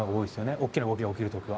大きな動きが起きる時は。